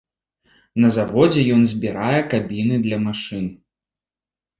На заводзе ён збірае кабіны для машын.